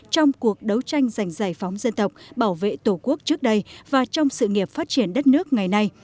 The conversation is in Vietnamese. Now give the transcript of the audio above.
trong cuộc đấu tranh giành giải phóng dân tộc bảo vệ tổ quốc trước đây và trong sự nghiệp phát triển đất nước ngày nay